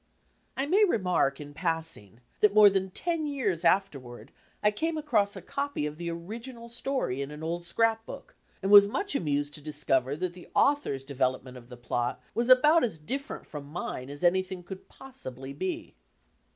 I may remark, in passing, that more than ten years afterward I came across a copy of the original story in an old scrap book, and was much amused to discover that the author's development of the plot was about as different from mine as anything could possibly be.